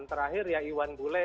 terakhir ya iwan bule